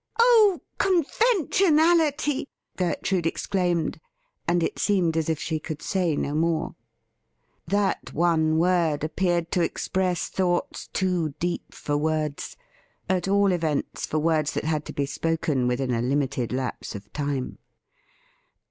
' Oh, conventionality !' Gertrude exclaimed, and it seemed as if she could say no more. That one word appeared to express thoughts too deep for words — at all events, for words that had to be spoken within a limited lapse of time.